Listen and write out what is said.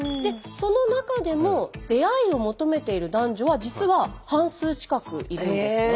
その中でも出会いを求めている男女は実は半数近くいるんですね。